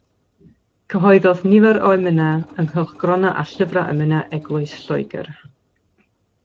Cyhoeddodd nifer o emynau yng nghylchgronau a llyfrau emynau Eglwys Lloegr.